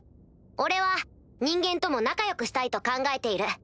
俺は人間とも仲良くしたいと考えている。